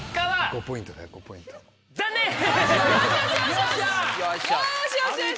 ５ポイントだよ。